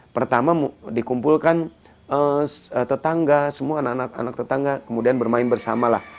pertama dikumpulkan tetangga semua anak anak tetangga kemudian bermain bersama lah